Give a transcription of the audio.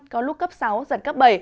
có lúc cấp sáu giật cấp bảy